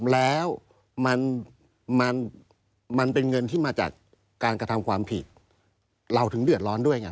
แล้วมันเป็นเงินที่มาจากการกระทำความผิดเราถึงเดือดร้อนด้วยไง